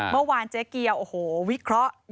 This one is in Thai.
เมื่อวานเจ๊เกียวโอ้โหวิเคราะห์